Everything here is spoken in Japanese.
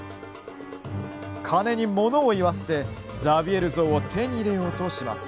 金にものを言わせてザビエル像を手に入れようとします。